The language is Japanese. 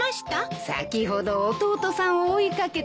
先ほど弟さんを追い掛けているのを。